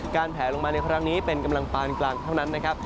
แผลลงมาในครั้งนี้เป็นกำลังปานกลางเท่านั้นนะครับ